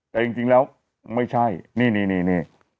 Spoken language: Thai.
แต่จริงจริงแล้วไม่ใช่นี่นี่นี่นี่